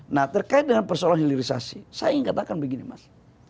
nah terkait dengan persoalan hilirisasi saya ingin katakan begini mas